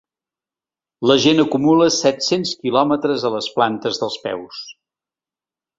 La gent acumula set-cents quilòmetres a les plantes dels peus.